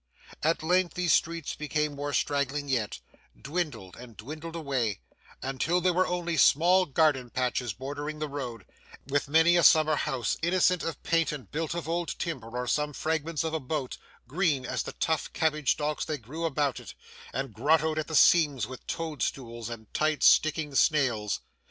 At length these streets becoming more straggling yet, dwindled and dwindled away, until there were only small garden patches bordering the road, with many a summer house innocent of paint and built of old timber or some fragments of a boat, green as the tough cabbage stalks that grew about it, and grottoed at the seams with toad stools and tight sticking snails.